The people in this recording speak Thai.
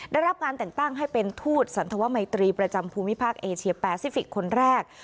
ได้รับงานแต่งตั้งให้เป็นทูตสันธวมัยตรีประจำภูมิภาคเอเชียแปซิฟิกส์คนแรก